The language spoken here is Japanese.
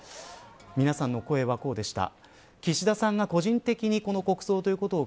皆さんの声は、こうでした。